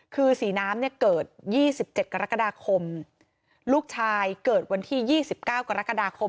คือสีน้ำเนี่ยเกิดยี่สิบเจ็ดกรกฎาคมลูกชายเกิดวันที่ยี่สิบเก้ากรกฎาคม